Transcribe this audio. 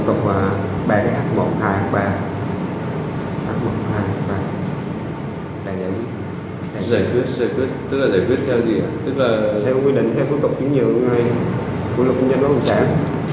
tức là theo quy định theo phương tục chuyển nhượng của lục kinh doanh báo cộng sản